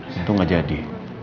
tentu gak jadi